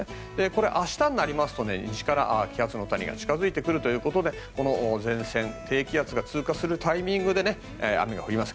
これ、明日になりますと西から気圧の谷が近付いてくるということで前線、低気圧が通過するタイミングで雨が降ります。